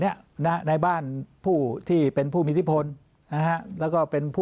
ในบ้านมีที่พ้น